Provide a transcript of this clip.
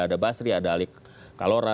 ada basri ada alik kalora